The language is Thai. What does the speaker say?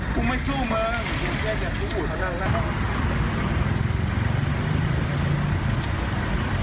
กูไม่สู้มึง